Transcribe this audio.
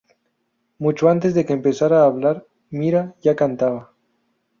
Mucho antes de que empezara a hablar, Mira ya cantaba.